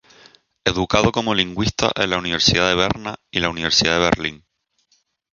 Educado como lingüista en la Universidad de Berna y la Universidad de Berlín.